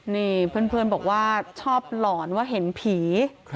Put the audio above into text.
นี่เพื่อนบอกว่าชอบหลอนว่าเห็นผี